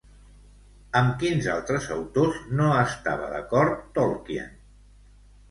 Amb quins altres autors no estava d'acord Tolkien?